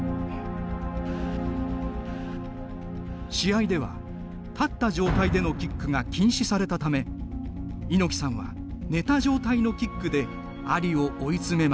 試合では立った状態でのキックが禁止されたため猪木さんは寝た状態のキックでアリを追い詰めます。